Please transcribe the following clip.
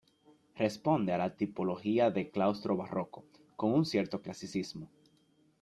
Responde a la tipología de claustro barroco con un cierto clasicismo.